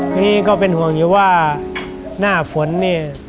ทีนี้ก็เป็นห่วงอยู่ว่าหน้าฝนนี่